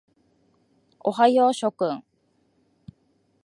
おはよう諸君。